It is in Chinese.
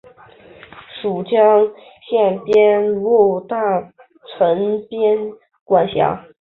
属川滇边务大臣管辖。